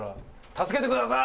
「助けてください！」